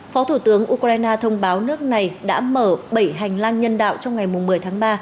phó thủ tướng ukraine thông báo nước này đã mở bảy hành lang nhân đạo trong ngày một mươi tháng ba